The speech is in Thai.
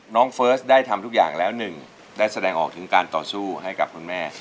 เฟิร์สได้ทำทุกอย่างแล้วหนึ่งได้แสดงออกถึงการต่อสู้ให้กับคุณแม่